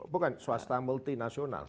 bukan swasta multinasional